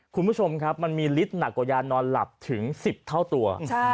คุณผู้ชมครับมันมีฤทธิ์หนักกว่ายานอนหลับถึง๑๐เท่าตัว